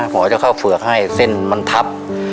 หมอจะเข้าเฝือกให้เส้นมันทับ